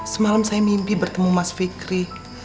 semalam saya mimpi bertemu mas fikri